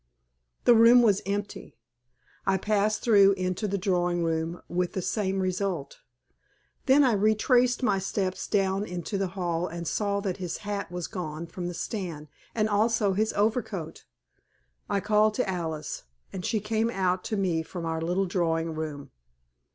The room was empty. I passed through into the drawing room with the same result. Then I retraced my steps down into the hall and saw that his hat was gone from the stand and also his overcoat. I called to Alice, and she came out to me from our little drawing room.